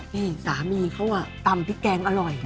นี่สามีเขาตำพริกแกงอร่อย